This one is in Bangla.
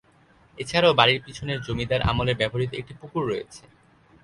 এছাড়াও বাড়ির পিছনের জমিদার আমলের ব্যবহৃত একটি পুকুর রয়েছে।